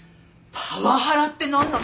パワハラって何なの？